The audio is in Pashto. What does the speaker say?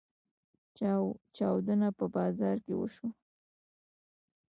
چاودنه په بازار کې وشوه.